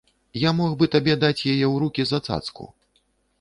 Я мог бы табе даць яе ў рукі за цацку.